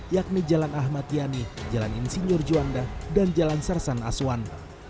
yakni jalan ahmad yani jalan insinyur juanda dan jalan sarsan aswan